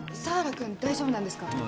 佐原君大丈夫なんですか？